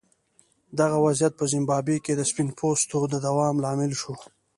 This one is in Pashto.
دغه وضعیت په زیمبابوې کې د سپین پوستو د دوام لامل شو.